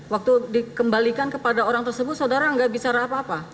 waktu dikembalikan kepada orang tersebut saudara nggak bicara apa apa